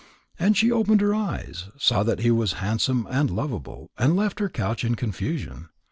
And she opened her eyes, saw that he was handsome and loveable, and left her couch in confusion.